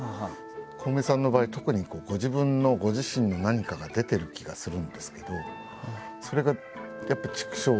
コウメさんの場合特にご自分のご自身の何かが出てる気がするんですけどそれがやっぱ「チクショー！！」